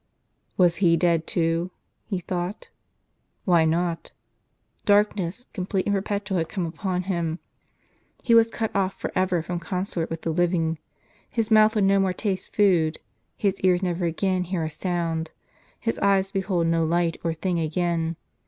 Was he dead too? he thought. Why not? Darkness, complete and perpetual, had come upon him. He was cut off for ever from consort with the living, his mouth would no more taste food, his ears never again hear a sound, his eyes behold no light, or thing, again.